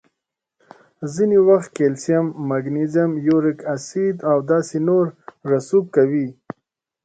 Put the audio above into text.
ځینې وخت کلسیم، مګنیزیم، یوریک اسید او داسې نور رسوب کوي.